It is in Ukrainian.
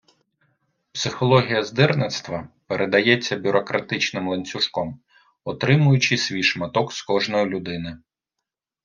Психологія здирництва передається бюрократичним ланцюжком, отримуючи свій шматок з кожної людини.